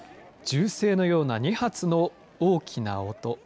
銃声のような２発の大きな音。